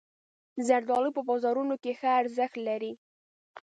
زردالو په بازارونو کې ښه ارزښت لري.